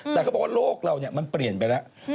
แต่เขาบอกว่าโลกเรามันเปลี่ยนไปแล้ว